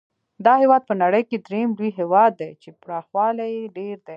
دا هېواد په نړۍ کې درېم لوی هېواد دی چې پراخوالی یې ډېر دی.